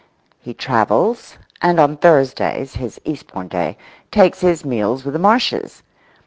He travels, and on Thursdays, his Eastbourne day, takes his meals with the Marshes.